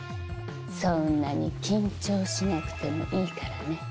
そんなに緊張しなくてもいいからね。